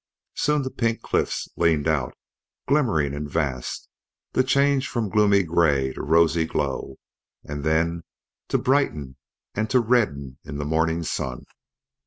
Soon the Pink Cliffs leaned out, glimmering and vast, to change from gloomy gray to rosy glow, and then to brighten and to redden in the morning sun.